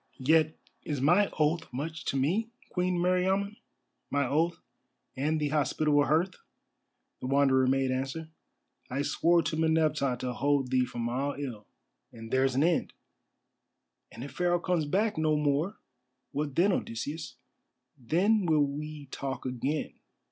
"Yet is my oath much to me, Queen Meriamun—my oath and the hospitable hearth," the Wanderer made answer. "I swore to Meneptah to hold thee from all ill, and there's an end." "And if Pharaoh comes back no more, what then Odysseus?" "Then will we talk again.